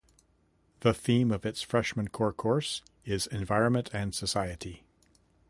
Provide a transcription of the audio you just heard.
The theme of its freshman core course is "Environment and Society".